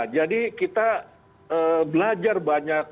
jadi kita belajar banyak